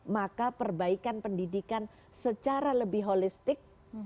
maka perbaikan pendidikan secara lebih holistik